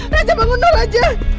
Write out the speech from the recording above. raja bangunlah raja